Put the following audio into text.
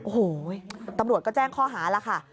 โอ้โหตำรวจก็แจ้งข้อหาแล้วค่ะ